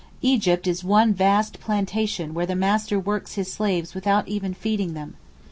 Egypt is one vast 'plantation' where the master works his slaves without even feeding them.